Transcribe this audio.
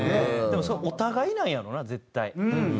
でもそれお互いなんやろうな絶対。